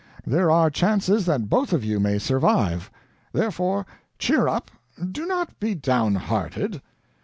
There are chances that both of you may survive. Therefore, cheer up; do not be downhearted."